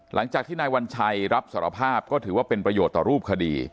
หลังจากที่นายวัญชัยรับสารภาพก็ถือว่าเป็นประโยชน์ต่อรูปคดี